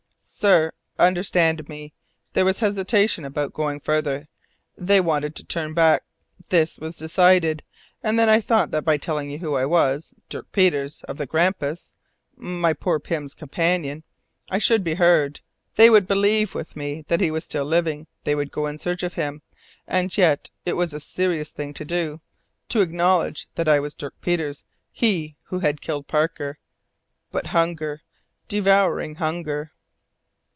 "Sir understand me there was hesitation about going farther they wanted to turn back. This was decided, and then I thought that by telling who I was Dirk Peters of the Grampus poor Pym's companion I should be heard; they would believe with me that he was still living, they would go in search of him! And yet, it was a serious thing to do to acknowledge that I was Dirk Peters, he who had killed Parker! But hunger, devouring hunger!"